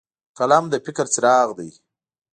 قلم د فکر څراغ دی